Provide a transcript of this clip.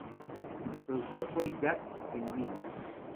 El Productor Fue Jack Endino.